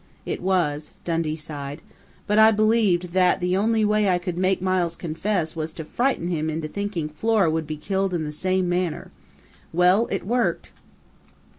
"It was," Dundee sighed. "But I believed that the only way I could make Miles confess was to frighten him into thinking Flora would be killed in the same manner.... Well, it worked!"